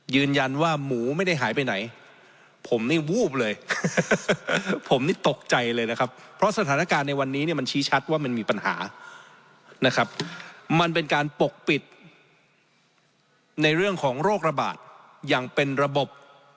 ยืนยันว่าหมูไม่ได้หายไปไหนผมนี่วูบเลยผมนี่ตกใจเลยนะครับเพราะสถานการณ์ในวันนี้เนี่ยมันชี้ชัดว่ามันมีปัญหานะครับมันเป็นการปกปิดในเรื่องของโรคระบาดอย่างเป็นระบบ